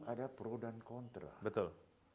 ada pro dan kontra betul